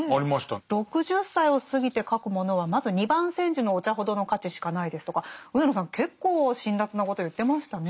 「６０歳を過ぎて書くものはまず二番煎じのお茶ほどの価値しかない」ですとか上野さん結構辛辣なことを言ってましたね。